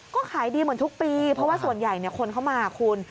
ก็ขายดีเหมือนทุกปีเพราะว่าส่วนใหญ่คนเข้ามาคุณ